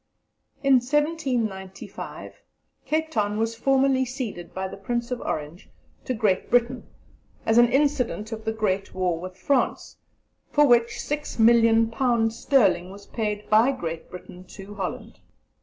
In 1795, Cape Town was formally ceded by the Prince of Orange to Great Britain, as an incident of the great war with France, for which, six million pounds sterling was paid by Great Britain to Holland.